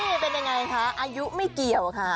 นี่เป็นยังไงคะอายุไม่เกี่ยวค่ะ